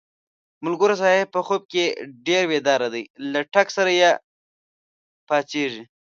ملک صاحب په خوب کې ډېر بیداره دی، له ټک سره پا څېږي.